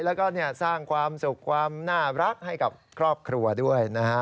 แล้วก็สร้างความสุขความน่ารักให้กับครอบครัวด้วยนะฮะ